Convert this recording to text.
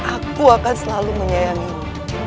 aku akan selalu menyayangimu